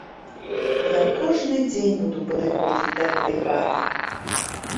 Я кожны дзень буду падыходзіць да гэтай хаты.